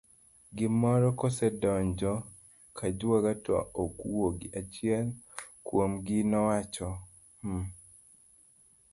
gimoro kosedonjo kajwoga to ok wuogi, achiel kuomgi nowacho mh!